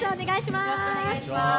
よろしくお願いします。